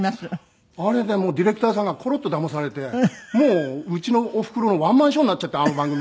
あれでもうディレクターさんがコロッとだまされてうちのおふくろのワンマンショーになっちゃってあの番組。